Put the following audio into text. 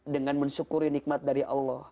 dengan mensyukuri nikmat dari allah